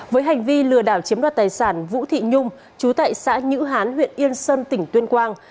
với hành vi lừa đảo chiếm đoạt tài sản vũ thị nhung chú tại xã nhữ hán huyện yên sơn tỉnh tuyên quang